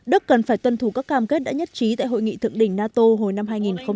đức cần phải tuân thủ các cam kết đã nhất trí tại hội nghị thượng đỉnh nato hồi năm hai nghìn một mươi năm